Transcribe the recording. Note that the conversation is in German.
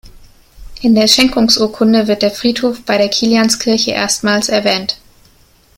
In der Schenkungsurkunde wird der Friedhof bei der Kilianskirche erstmals erwähnt.